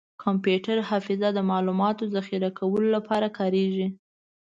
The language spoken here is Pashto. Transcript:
کمپیوټر حافظه د معلوماتو ذخیره کولو لپاره کارېږي.